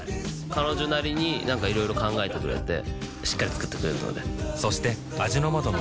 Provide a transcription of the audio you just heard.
彼女なりになんかいろいろ考えてくれてしっかり作ってくれるのでそして味の素の栄養プログラム